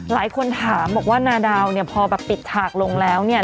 หลายคนถามบอกว่านาดาวพอปิดถากลงแล้ว